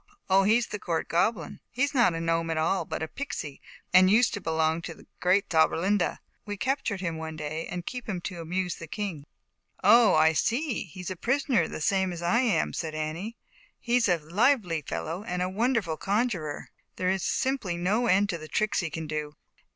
Oh, he's the Court Goblin. He is not a Gnome at all, but a Pixey and used to belong to the Great Zauberlinda. We captured him one day and keep him to amuse the Kin 155 156 ZAUBERLINDA, THE WISE WITCH. "Oh, I see, he's a prisoner, the same as I am," said Annie. "He's a lively fellow and a wonder ful conjuror. There is simply no end to the tricks he can do."